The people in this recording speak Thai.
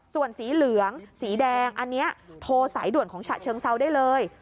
ส่วนสีเหลืองสีแดงอันนี้โทรสายด่วนของฉะเชิงเซาได้เลย